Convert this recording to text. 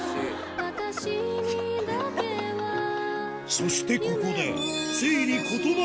そしてここで